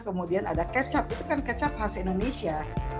kemudian ada kecap itu kan kecap khas indonesia